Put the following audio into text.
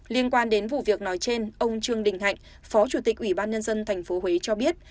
liên quan đến vụ việc nói trên ông trương đình hạnh phó chủ tịch ubnd tp huế cho biết